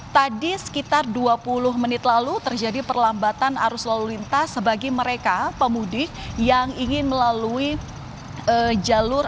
tadi sekitar dua puluh menit lalu terjadi perlambatan arus lalu lintas bagi mereka pemudik yang ingin melalui jalur